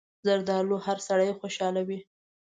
زردالو هر سړی خوشحالوي.